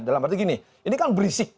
dalam arti gini ini kan berisik